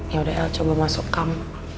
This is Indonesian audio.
yaudah el coba masuk kam